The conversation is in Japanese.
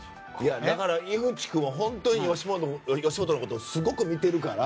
だから、井口君は本当に吉本のことをすごく見てるから。